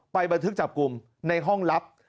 บันทึกจับกลุ่มในห้องลับ